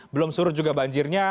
belum surut juga banjirnya